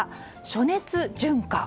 暑熱順化。